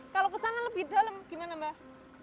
kalau kesana lebih dalam gimana mbak